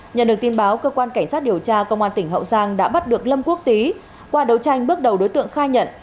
nhận được tin báo cơ quan cảnh sát điều tra công an tỉnh hậu giang đã bắt được lâm quốc tý qua đấu tranh bước đầu đối tượng khai nhận